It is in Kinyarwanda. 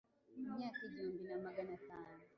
imyaka igihumbi na magana tanu